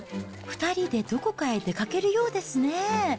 ２人でどこかへ出かけるようですね。